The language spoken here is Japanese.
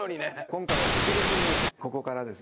今回は特別にここからですね